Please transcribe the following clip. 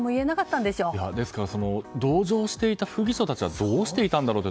ですから同乗していた人たちはどうしていたんだろうと。